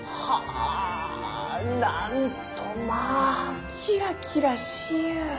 あなんとまあキラキラしゆう！